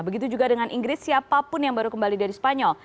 begitu juga dengan inggris siapapun yang baru kembali dari spanyol